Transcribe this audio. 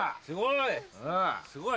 すごい！